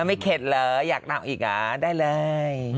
ไม่เข็ดเหรออยากนำอีกเหรอได้เลย